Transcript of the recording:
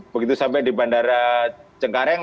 begitu sampai di bandara cengkareng